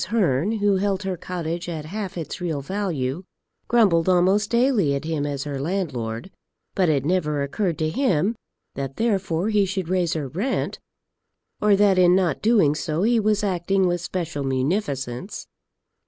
Hearn, who held her cottage at half its real value, grumbled almost daily at him as her landlord; but it never occurred to him that therefore he should raise her rent, or that in not doing so he was acting with special munificence.